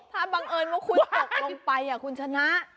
ถ้าบังเอิญว่าคุณตกลงไปคุณชนะ